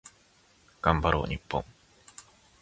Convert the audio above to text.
頑張ろう日本